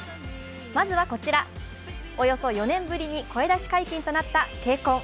まずはこちら、およそ４年ぶりに声出し解禁となったＫＣＯＮ。